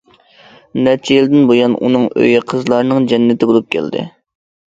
نەچچە يىلدىن بۇيان، ئۇنىڭ ئۆيى قىزلارنىڭ جەننىتى بولۇپ كەلدى.